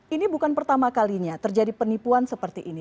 ini bukan pertama kalinya terjadi penipuan seperti ini